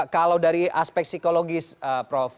kalau dari aspek psikologis prof